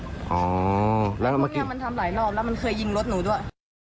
พวกนี้มันทำหลายนอกและมันเคยยิงรถหนูด้วย